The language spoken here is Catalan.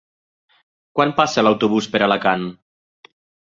Quan passa l'autobús per Alacant?